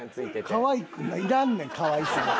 かわいくないいらんねんかわいさ。